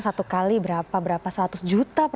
satu kali berapa berapa seratus juta